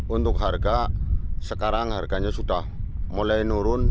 untuk harga sekarang harganya sudah mulai nurun